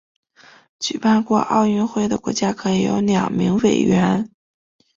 举办过奥运会的国家可以有两名委员。